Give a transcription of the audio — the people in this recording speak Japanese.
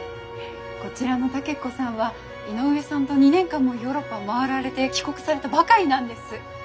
こちらの武子さんは井上さんと２年間もヨーロッパを回られて帰国されたばかりなんです。